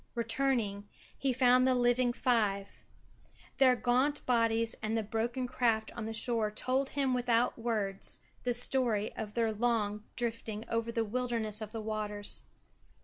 Returning he found the living five. Their gaunt bodies and the broken craft on the shore told him without words the story of their long drifting over the wilderness of the waters.